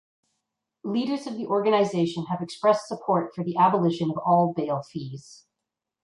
Leaders of the organization have expressed support for the abolition of all bail fees.